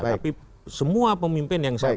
tapi semua pemimpin yang sama